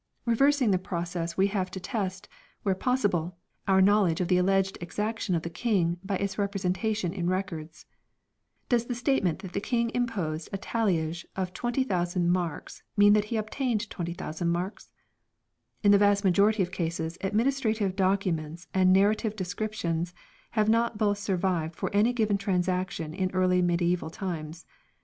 Reversing the process we have to test, where pos sible, our knowledge of the alleged exaction of the King by its representation in Records. Does a state ment that the King imposed a talliage of 20,000 marks mean that he obtained 20,000 marks ? In the vast majority of cases administrative documents and nar rative descriptions have not both survived for any given transaction in early mediaeval times.